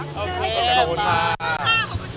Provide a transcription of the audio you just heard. ขอบคุณครับ